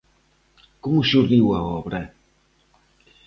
Como xurdiu a obra?